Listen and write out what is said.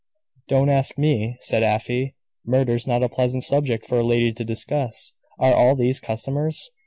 "Don't ask me," said Afy. "Murder's not a pleasant subject for a lady to discuss. Are all these customers?